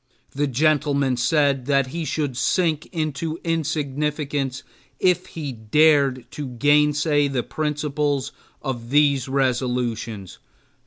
The gentleman said that he should sink into insignificance if he dared to gainsay the principles of these resolutions.